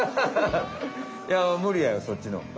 いやむりやろそっちの。